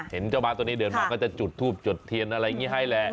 เห็นเจ้าม้าตัวนี้เดินมาก็จะจุดทูบจุดเทียนอะไรอย่างนี้ให้แหละ